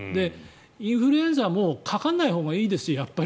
インフルエンザもかからないほうがいいですやっぱり。